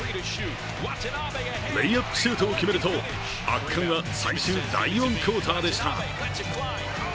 レイアップシュートを決めると圧巻は最終第４クオーターでした。